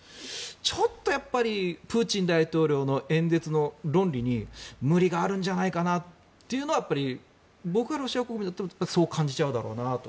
ちょっとやっぱりプーチン大統領の演説の論理に無理があるんじゃないかなというのは僕がロシア国民だったらそう感じちゃうんだろうなと。